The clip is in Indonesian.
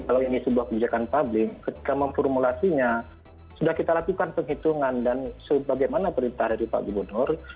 kalau ini sebuah kebijakan publik ketika memformulasinya sudah kita lakukan penghitungan dan sebagaimana perintah dari pak gubernur